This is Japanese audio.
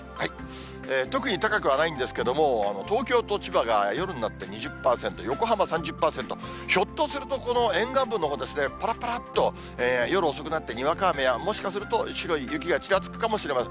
特に高くはないんですけれども、東京と千葉が夜になって２０％、横浜３０％、ひょっとするとこの沿岸部のほう、ぱらぱらっと夜遅くなって、にわか雨や、もしかすると白い雪がちらつくかもしれません。